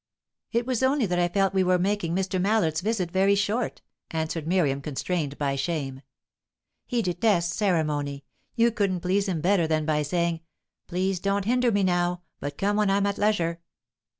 "It was only that I felt we were making Mr. Mallard's visit very short," answered Miriam, constrained by shame. "He detests ceremony. You couldn't please him better than by saying, 'Please don't hinder me now, but come when I'm at leisure.'"